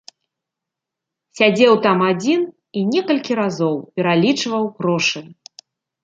Сядзеў там адзін і некалькі разоў пералічваў грошы.